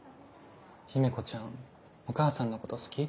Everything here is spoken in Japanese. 姫子ちゃんお母さんのこと好き？